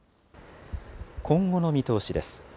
今後の見通しです。